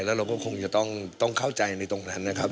แล้วเราก็คงจะต้องเข้าใจในตรงนั้นนะครับ